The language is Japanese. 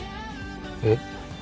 えっ？